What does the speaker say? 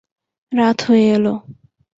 রাত হয়ে এল।